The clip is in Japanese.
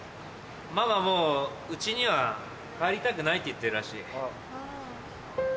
ママもう家には帰りたくないって言ってるらしい。